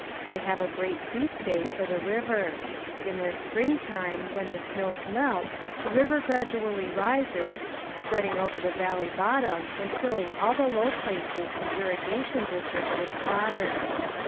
They have a great feast day for the river. In their spring time when the snows melt the river gradually rises, spreading over the valley bottom and filling all the low places and irrigation ditches with water.